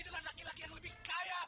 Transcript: dengan laki laki yang lebih kaya